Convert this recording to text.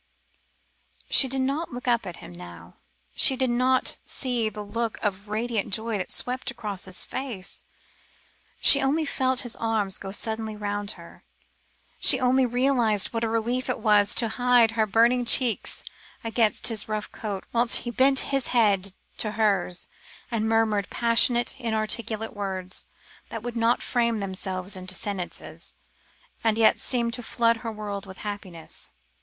She did not look up at him now. She did not see the look of radiant joy that swept across his face, she only felt his arms go suddenly round her, she only realised what a relief it was to hide her burning cheeks against his rough coat, whilst he bent his head to hers, and murmured passionate inarticulate little words, that would not frame themselves into sentences, and yet seemed to flood her world with happiness.